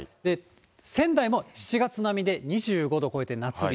仙台も７月並みで２５度を超えて夏日。